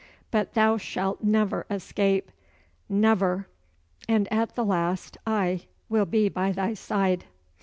But thou shalt never escape never! and at the last I will be by thy side."